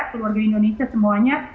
keluarga indonesia semuanya